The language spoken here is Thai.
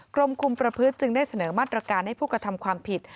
กรมคุมประพฤติจึงได้เสนอมาตรการให้ผู้กระทำความผิด